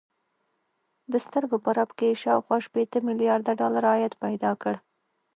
د سترګو په رپ کې يې شاوخوا شپېته ميليارده ډالر عايد پيدا کړ.